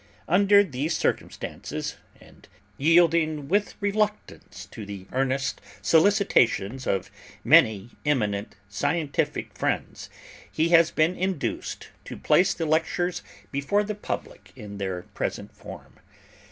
Under these circumstances, and yielding with reluctance to the earnest solicitations of many eminent scientific friends, he has been induced to place the Lectures before the public in their present form.